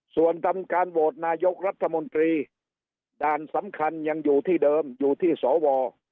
ส่วนทำการโหวตนายกรัฐมนตรีด่านสำคัญยังอยู่ที่เดิมอยู่ที่สว